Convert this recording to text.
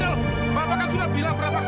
jangan macam macam dengan barang barang beratnya